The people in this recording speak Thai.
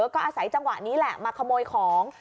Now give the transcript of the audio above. ก็อาศัยจังหวะนี้แหละมาขโมยของ